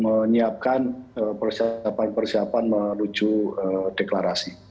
menyiapkan persiapan persiapan menuju deklarasi